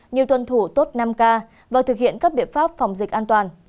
như tuân thủ tốt năm k và thực hiện các biện pháp phòng dịch an toàn